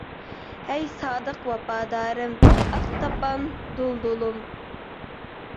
ھەي سادىق ۋاپادارىم، ئاق تاپان دۇلدۇلۇم.